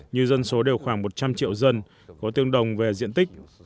như dân số đều khoảng một trăm linh triệu dân có tương đồng về diện tích